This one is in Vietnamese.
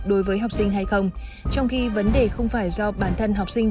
đối với học sinh hay không trong khi vấn đề không phải do bản thân học sinh